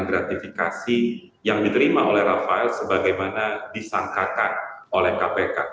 dan gratifikasi yang diterima oleh rafael sebagaimana disangkakan oleh kpk